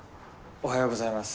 おはようございます。